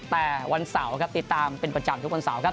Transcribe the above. แต่วันเสาร์ครับติดตามเป็นประจำทุกวันเสาร์ครับ